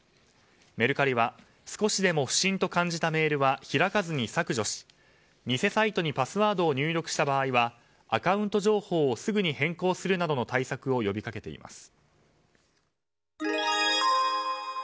メルカリは少しでも不審と感じたメールは開かずに削除し、偽サイトにパスワードを入力した場合はアカウント情報をすぐに変更するなどの対策を呼び掛けています。